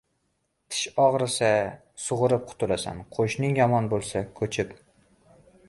• Tish og‘risa sug‘urib qutulasan, qo‘shning yomon bo‘lsa — ko‘chib.